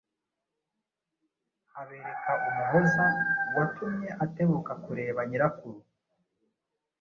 abereka Umuhoza watumye atebuka kureba nyirakuru